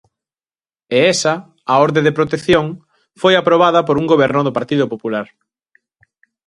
E esa, a orde de protección, foi aprobada por un goberno do Partido Popular.